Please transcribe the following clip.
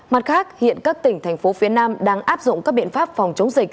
mặt khác hiện các tỉnh thành phố phía nam đang áp dụng các biện pháp phòng chống dịch